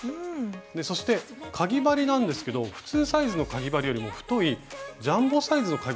そしてかぎ針なんですけど普通サイズのかぎ針よりも太いジャンボサイズのかぎ針を使うんですか？